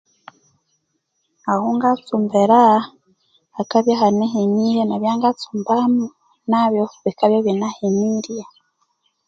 A hongatsumbira hakabya ihanahenirye nebyangatsumbaho bikabya ibinahenirye